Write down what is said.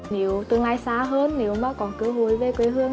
nếu tương lai xa hơn nếu mà có cơ hội về quê hương